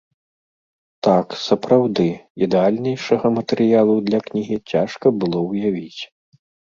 Так, сапраўды, ідэальнейшага матэрыялу для кнігі цяжка было ўявіць.